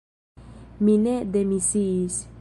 Mi ne demisiis.